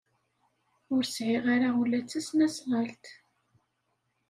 Ur sɛiɣ ara ula d tasnasɣalt.